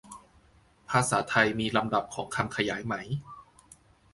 ภาษาไทยมีลำดับของคำขยายไหม